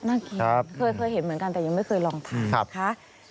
น่างินเดี๋ยวเคยเห็นเหมือนกันแต่ยังไม่เคยลองทำ